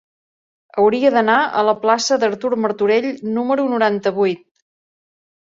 Hauria d'anar a la plaça d'Artur Martorell número noranta-vuit.